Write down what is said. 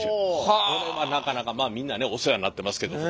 これはなかなかまあみんなねお世話になってますけども。